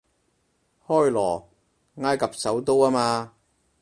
開羅，埃及首都吖嘛